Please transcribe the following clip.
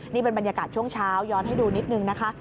นี่เป็นบรรยากาศช่วงเช้าย้อนให้ดูนิดนึงนะคะ